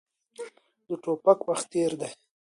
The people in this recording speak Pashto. د ټوپک وخت تېر دی.